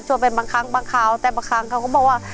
ไปบางครั้งบางคราวแต่บางครั้งเขาก็บอกว่า